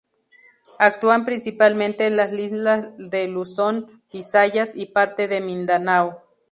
Actúan principalmente en las islas de Luzón, Bisayas y parte de Mindanao.